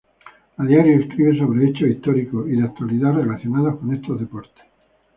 A diario escribe sobre hechos históricos y de actualidad relacionados con estos deportes.